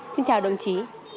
xin chào đồng chí